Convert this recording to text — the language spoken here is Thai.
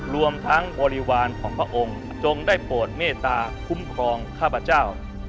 รวมทั้งบริวารของพระองค์จงได้โปรดเมตตาคุ้มครองข้าพเจ้า